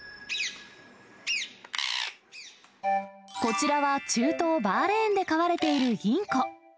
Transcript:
こちらは、中東バーレーンで飼われているインコ。